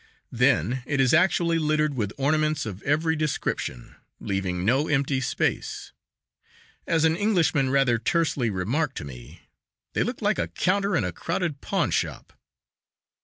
Then it is actually littered with ornaments of every description, leaving no empty space; as an Englishman rather tersely remarked to me, "They look like a counter in a crowded pawn shop."